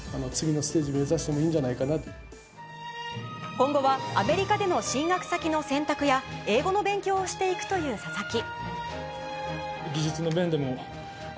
今後はアメリカでの進学先の選択や英語の勉強をしていくという佐々木。